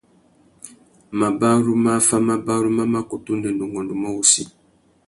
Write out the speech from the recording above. Mabarú mà affámabarú má mà kutu ndénda ungôndômô wussi.